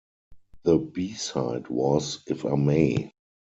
The B-side was If I May.